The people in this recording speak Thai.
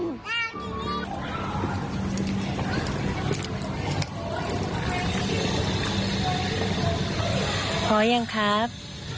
พอหรือยังครับ